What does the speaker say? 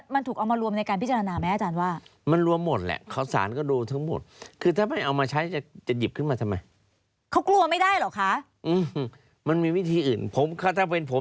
มันถูกเอามารวมในการพิจารณาไหมอาจารย์ว่า